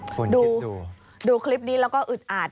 คุณดูคลิปนี้แล้วก็อึดอาด